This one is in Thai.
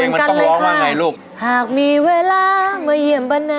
หากพี่กลับมาซื้อผ่าตะตาฝากน้องบ้างนะ